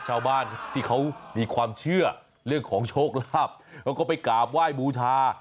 ชาวบ้านที่เขามีความเชื่อเรื่องของโชคลาภเขาก็ไปกราบไหว้บูชา